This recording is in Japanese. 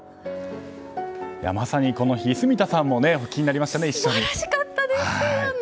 まさに、この日住田さんもお聴きになりましたね。